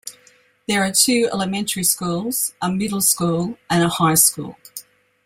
There are two elementary schools, a middle school and a high school.